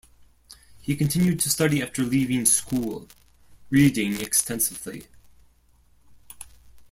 He continued to study after leaving school, reading extensively.